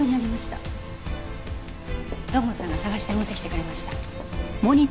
土門さんが探して持ってきてくれました。